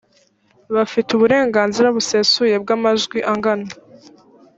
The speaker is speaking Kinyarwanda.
bafite uburenganzira busesuye bw amajwi angana